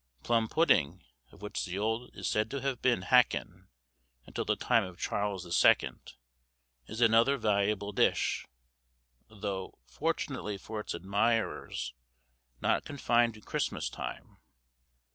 Plum pudding, of which the old name is said to have been hackin, until the time of Charles the Second, is another valuable dish; though, fortunately for its admirers, not confined to Christmas time.